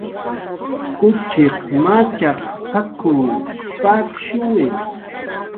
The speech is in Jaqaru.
"Kuchiq machaq p""ak""w pakshuwi"